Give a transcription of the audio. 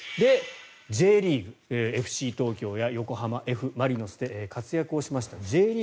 Ｊリーグ、ＦＣ東京や横浜Ｆ・マリノスで活躍をしました。